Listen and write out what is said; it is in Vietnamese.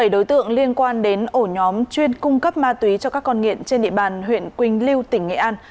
bảy đối tượng liên quan đến ổ nhóm chuyên cung cấp ma túy cho các con nghiện trên địa bàn huyện quỳnh lưu tỉnh nghệ an